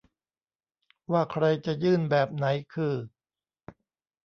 ว่าใครจะยื่นแบบไหนคือ